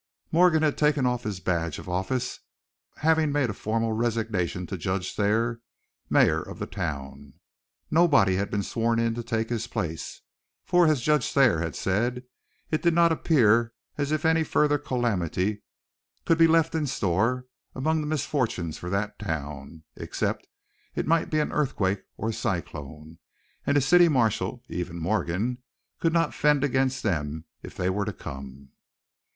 Morgan had taken off his badge of office, having made a formal resignation to Judge Thayer, mayor of the town. Nobody had been sworn in to take his place, for, as Judge Thayer had said, it did not appear as if any further calamity could be left in store among the misfortunes for that town, except it might be an earthquake or a cyclone, and a city marshal, even Morgan, could not fend against them if they were to come.